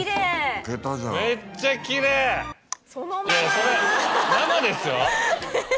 それ生ですよ！